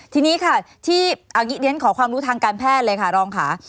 ที่นี้ค่ะที่อังกฤษขอความรู้ทางการแพทย์เลยค่ะรองค่ะ